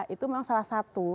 itu memang salah satu